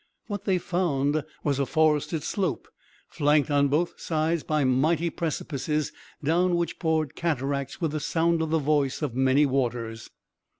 What they found was a forested slope flanked on both sides by mighty precipices down which poured cataracts with the sound of the voice of many waters.